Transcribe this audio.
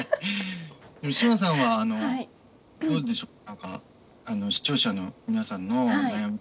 志麻さんはどうでしょう。